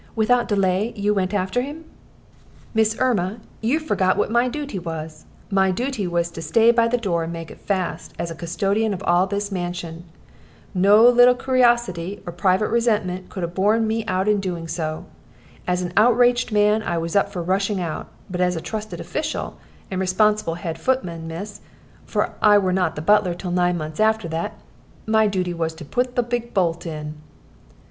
"Without any delay you went after him." "Miss Erma, you forget what my dooty was. My dooty was to stay by the door and make it fast, as custodian of all this mansion. No little coorosity, or private resentment, could 'a borne me out in doing so. As an outraged man I was up for rushing out, but as a trusted official, and responsible head footman, miss for I were not butler till nine months after that my dooty was to put the big bolt in."